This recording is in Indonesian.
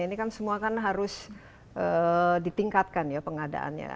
ini kan semua kan harus ditingkatkan ya pengadaannya